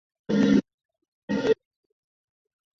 沙磁文化区由前重庆大学校长胡庶华极力倡导。